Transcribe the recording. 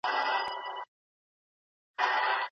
هغوی په هرات کې يو خپلواک او پياوړی نظام قايم کړ.